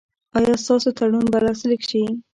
ایا ستاسو تړون به لاسلیک شي؟